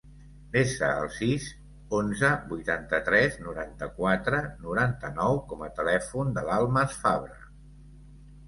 Desa el sis, onze, vuitanta-tres, noranta-quatre, noranta-nou com a telèfon de l'Almas Fabre.